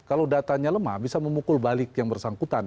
kalau datanya lemah bisa memukul balik yang bersangkutan